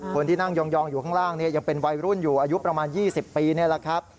คนที่นั่งยองอยู่ข้างล่างยังเป็นวัยรุ่นอยู่อายุประมาณ๒๐ปีนี่แหละครับ